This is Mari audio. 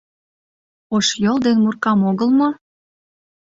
— Ошйол ден Муркам огыл мо?